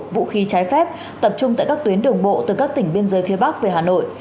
vũ khí trái phép tập trung tại các tuyến đường bộ từ các tỉnh biên giới phía bắc về hà nội